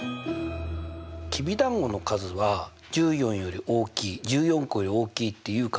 きびだんごの数は１４より大きい１４個より大きいって言うかな？